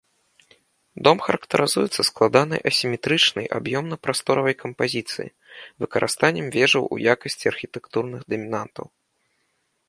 Дом характарызуецца складанай асіметрычнай аб'ёмна-прасторавай кампазіцыяй, выкарыстаннем вежаў у якасці архітэктурных дамінантаў.